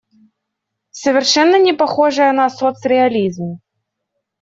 Совершенно не похоже на соцреализм.